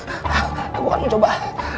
aku akan mencoba